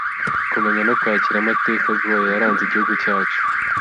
kumenya no kwakira amateka agoye yaranze igihugu cyacu